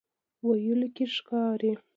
ویلو کې ښکاري.